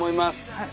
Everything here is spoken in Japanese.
はい。